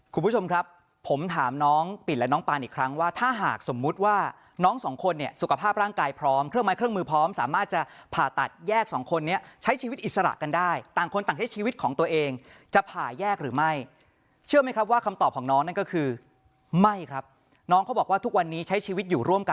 คุณผู้ชมครับผมถามน้องปิดและน้องปานอีกครั้งว่าถ้าหากสมมุติว่าน้องสองคนเนี่ยสุขภาพร่างกายพร้อมเครื่องไม้เครื่องมือพร้อมสามารถจะผ่าตัดแยกสองคนนี้ใช้ชีวิตอิสระกันได้ต่างคนต่างใช้ชีวิตของตัวเองจะผ่าแยกหรือไม่เชื่อไหมครับว่าคำตอบของน้องนั่นก็คือไม่ครับน้องเขาบอกว่าทุกวันนี้ใช้ชีวิตอยู่ร่วมกัน